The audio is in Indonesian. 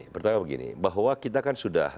pertama begini bahwa kita kan sudah